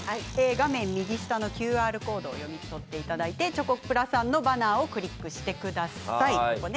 画面右下のＱＲコードを読み取っていただいてチョコプラさんのバナーをクリックしてください。